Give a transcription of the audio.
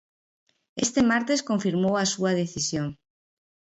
Este martes confirmou a súa decisión.